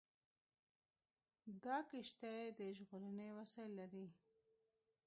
دا کښتۍ د ژغورنې وسایل لري.